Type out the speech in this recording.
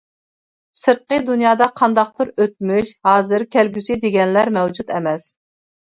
سىرتقى دۇنيادا قانداقتۇر ئۆتمۈش، ھازىر، كەلگۈسى دېگەنلەر مەۋجۇت ئەمەس.